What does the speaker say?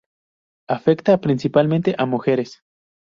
Afecta principalmente a mujeres.